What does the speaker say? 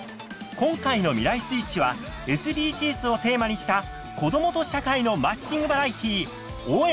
今回の「未来スイッチ」はＳＤＧｓをテーマにした子どもと社会のマッチングバラエティー「応援！